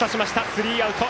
スリーアウト。